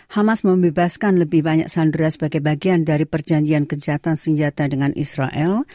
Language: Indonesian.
hamas membebaskan lebih banyak sandera sebagai bagian dari perjanjian kejahatan senjata dengan israel